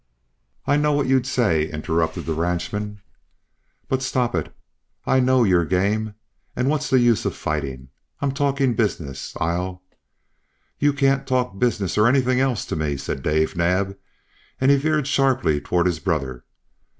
"I know what you'd say," interrupted the ranchman. "But stop it. I know you're game. And what's the use of fighting? I'm talking business. I'll " "You can't talk business or anything else to me," said Dave Naab, and he veered sharply toward his brother.